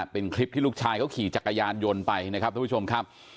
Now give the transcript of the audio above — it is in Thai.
เป็นคลิปที่ลูกชายเขาขี่จักรยานยนต์ไปนะครับทุกผู้ชมครับ